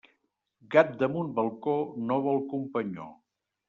Gat damunt balcó no vol companyó.